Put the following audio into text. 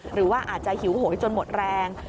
หรือว่าอาจจะหิวโหยจนหมดแรง